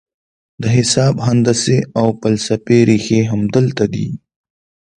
د حساب، هندسې او فلسفې رېښې همدلته دي.